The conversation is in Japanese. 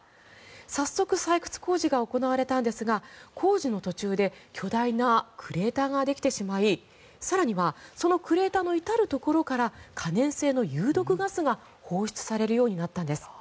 早速採掘工事が行われたんですが工事の途中で巨大なクレーターができてしまい更にはそのクレーターの至るところから可燃性の有毒ガスが放出されるようになったんです。